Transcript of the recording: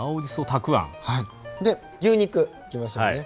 で牛肉いきましょうね。